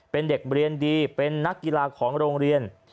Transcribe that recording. เป็นเด็กเรียนดีเป็นนักกีฬาของโรงเรียน